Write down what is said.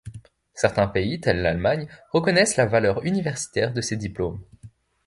Certains pays, tel l'Allemagne, reconnaissent la valeur universitaire de ces diplômes.